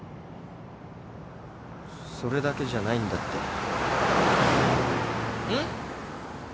それだけじゃないんだって。